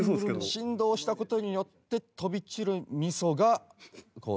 振動した事によって飛び散る味噌がこう